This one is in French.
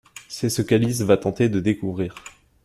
C'est ce qu'Alice va tenter de découvrir.